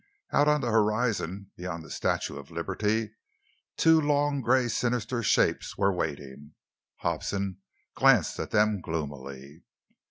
Out on the horizon, beyond the Statue of Liberty, two long, grey, sinister shapes were waiting. Hobson glanced at them gloomily.